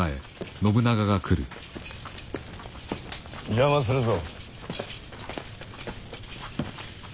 邪魔するぞ。